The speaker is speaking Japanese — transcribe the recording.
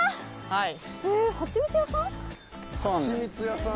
はい。